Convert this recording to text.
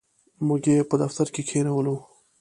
موږ یې په دفتر کې کښېنولو.